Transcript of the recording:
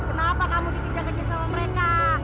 kenapa kamu dikejar kejar sama mereka